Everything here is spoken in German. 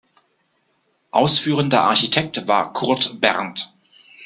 Ausführender Architekt war Kurt Berndt.